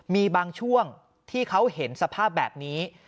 มีบางช่วงที่เขาเห็นสภาพแบบนี้